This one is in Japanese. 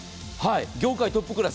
業界トップクラス。